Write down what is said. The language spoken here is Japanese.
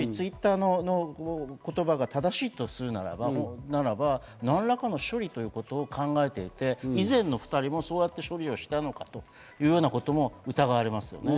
もしＴｗｉｔｔｅｒの言葉が正しいとするならば、何らかの処理ということを考えていて、以前の２人もそう言って処理をしたのかということも疑われますよね。